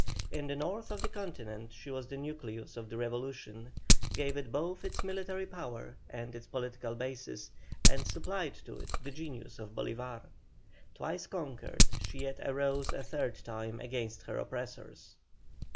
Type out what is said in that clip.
In the North of the Continent she was the nucleus of the revolution, gave it both its military power and its political basis, and supplied to it the genius of Bolívar. Twice conquered, she yet arose a third time against her oppressors.